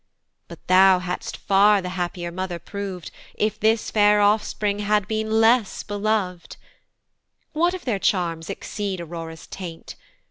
But thou had'st far the happier mother prov'd, If this fair offspring had been less belov'd: What if their charms exceed Aurora's teint.